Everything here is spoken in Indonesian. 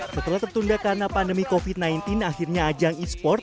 setelah tertunda karena pandemi covid sembilan belas akhirnya ajang e sports